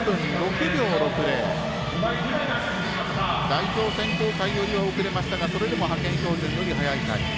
代表選考会よりは遅れましたがそれでも派遣標準より早いタイム。